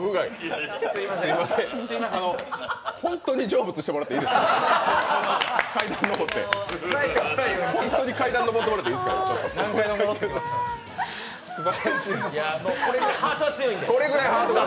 すみません、本当に成仏してもらっていいですか、本当に階段上ってもらってもいいですか？ハートは強いんで。